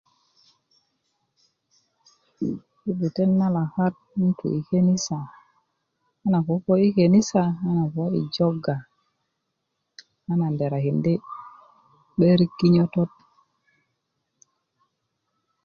i 'dutet na lakat 'n tu i kenisa a nan ko puo i kenisa a nan puo i joga a nan derakindi 'börik kinyötöt